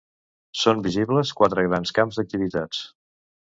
Són visibles quatre grans camps d'activitats.